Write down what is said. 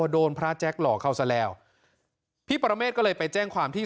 โดนพระแจ็คหลอกเขาซะแล้วพี่ปรเมฆก็เลยไปแจ้งความที่